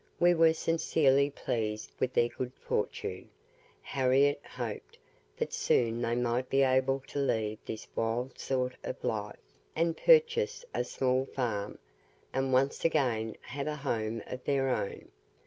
We were sincerely pleased with their good fortune. Harriette hoped that soon they might be able to leave this wild sort of life, and purchase a small farm, and once again have a home of their own.